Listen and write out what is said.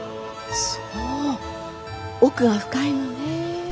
そう奥が深いのねぇ。